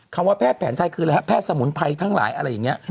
คำว่าแพทย์แผนไทยคืออะไรฮะแพทย์สมุนไพรทั้งหลายอะไรอย่างนี้